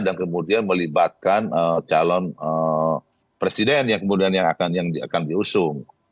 dan kemudian melibatkan calon presiden yang kemudian akan diusung